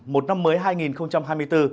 một năm mới hai nghìn hai mươi bốn